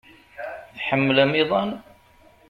Tḥemmlem iḍan?